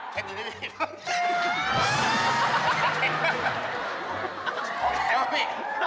แค่ดี